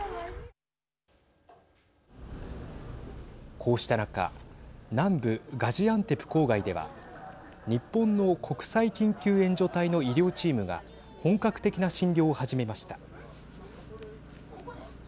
こうした中南部ガジアンテプ郊外では日本の国際緊急援助隊の医療チームが本格的な診療を始めました。